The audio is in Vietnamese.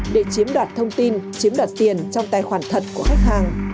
để chiếm đoạt thông tin chiếm đoạt tiền trong tài khoản thật của khách hàng